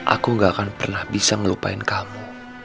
aku gak akan pernah bisa ngelupain kamu